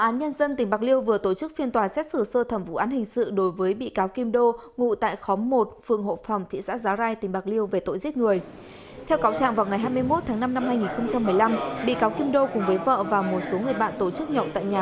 các bạn hãy đăng ký kênh để ủng hộ kênh của chúng mình nhé